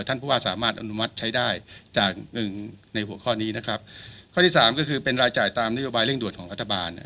ท่านผู้ว่าสามารถอนุมัติใช้ได้จากหนึ่งในหัวข้อนี้นะครับข้อที่สามก็คือเป็นรายจ่ายตามนโยบายเร่งด่วนของรัฐบาล